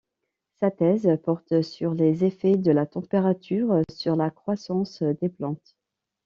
Sa thèse porte sur les effets de la température sur la croissance des plantes.